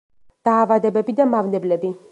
დაავადებები და მავნებლები.